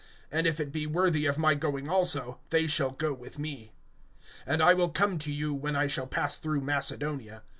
(4)And if it be worthy of my going also, they shall go with me. (5)And I will come to you, when I shall pass through Macedonia.